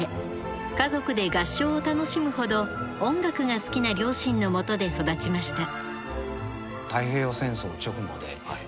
家族で合唱を楽しむほど音楽が好きな両親のもとで育ちました。